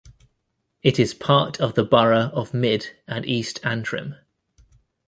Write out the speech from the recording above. It is part of the Borough of Mid and East Antrim.